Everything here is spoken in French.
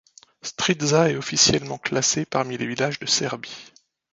Striža est officiellement classée parmi les villages de Serbie.